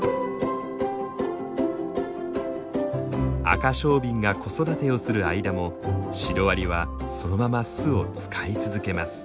アカショウビンが子育てをする間もシロアリはそのまま巣を使い続けます。